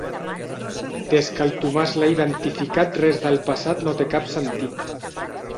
Des que el Tomàs l'ha identificat res del passat no té cap sentit.